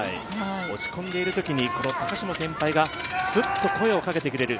落ち込んでいるときにこの高島先輩がすっと声をかけてくれる。